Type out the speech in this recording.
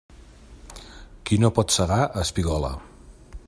Qui no pot segar, espigola.